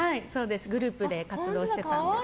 グループで活動してたんですけど。